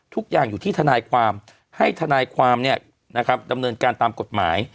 ทุกอย่างอยู่ที่ทนายความให้ทนายความดำเนินการตามกฎหมาย